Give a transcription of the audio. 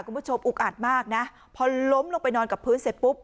อุกอัดมากนะพอล้มลงไปนอนกับพื้นเสร็จปุ๊บ